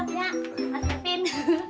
wentemnya kondisi kerja ya kan